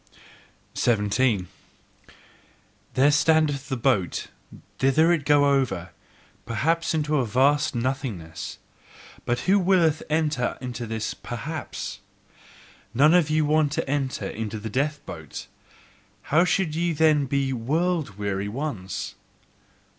17. There standeth the boat thither goeth it over, perhaps into vast nothingness but who willeth to enter into this "Perhaps"? None of you want to enter into the death boat! How should ye then be WORLD WEARY ones!